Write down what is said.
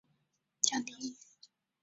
这使得分子的光能吸收的范围降低。